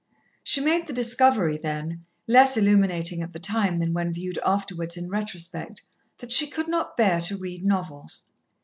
She made the discovery then, less illuminating at the time than when viewed afterwards in retrospect, that she could not bear to read novels.